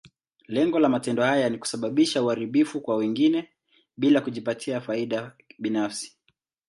Lengo la matendo haya ni kusababisha uharibifu kwa wengine, bila kujipatia faida binafsi.